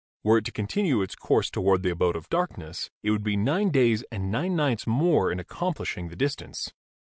Were it to continue its course toward the abode of dark ness it would be nine days and nine nights more in ac complishing the distance."